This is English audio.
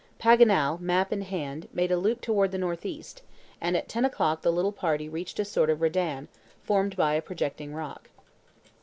Paganel, map in hand, made a loop toward the northeast, and at ten o'clock the little party reached a sort of redan, formed by a projecting rock.